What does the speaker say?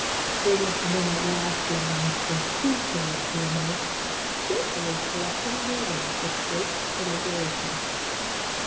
" Strings do not last long at the seashore," he announced, cheerfully selecting new ones with great deliberation.